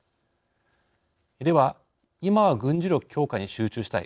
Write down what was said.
では今は軍事力強化に集中したい。